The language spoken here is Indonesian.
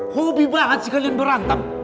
hobi banget sih kalian berantem